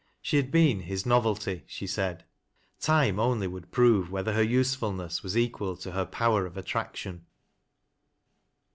She had been his " novelty " she said ; time only would prove whether her usefulness was equal to hor power of attraction.